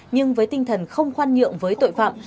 nhưng với tinh thần không khoan nhượng với tội phạm